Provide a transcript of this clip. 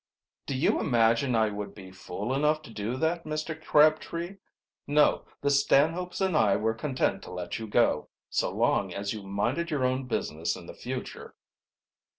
"Do you imagine I would be fool enough to do that, Mr. Crabtree? No, the Stanhopes and I were content to let you go so long as you minded your own business in the future."